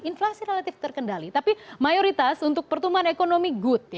inflasi relatif terkendali tapi mayoritas untuk pertumbuhan ekonomi good